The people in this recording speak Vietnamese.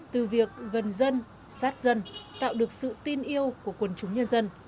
từ việc gần dân sát dân tạo được sự tin yêu của quần chúng nhân dân